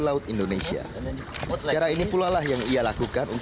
sesi belajar berenang singkat